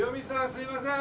すいません。